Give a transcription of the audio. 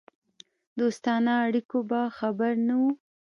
دوستانه اړیکو به خبر نه وو.